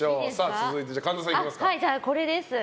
続いて、神田さんいきますか。